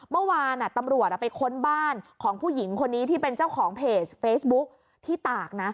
เมื่อวานตำรวจไปค้นบ้านของผู้หญิงคนนี้ที่เป็นเจ้าของเพจเฟซบุ๊คที่ตากนะ